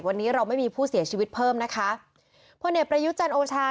วันนี้เราไม่มีผู้เสียชีวิตเพิ่มนะคะพลเอกประยุทธ์จันโอชา